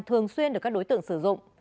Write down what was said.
thường xuyên được các đối tượng sử dụng